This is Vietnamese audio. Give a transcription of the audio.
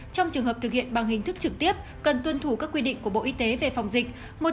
trong trường hợp thực hiện bằng hình thức trực tiếp cần tuân thủ các quy định của bộ y tế về phòng dịch